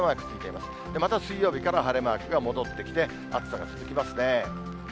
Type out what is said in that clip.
また水曜日から晴れマークが戻ってきて、暑さが続きますね。